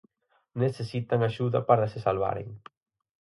Necesitan axuda para se salvaren.